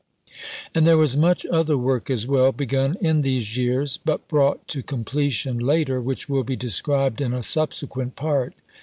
And there was much other work as well, begun in these years, but brought to completion later, which will be described in a subsequent Part.